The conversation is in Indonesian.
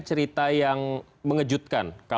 cerita yang mengejutkan